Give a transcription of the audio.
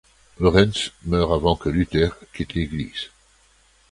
Lorenz meurt avant que Luther quitte l'Église.